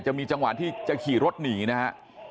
จะมีจังหวะที่จะขี่รถหนีนะฮะ